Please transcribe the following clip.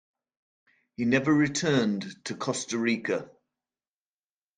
He never returned to Costa Rica.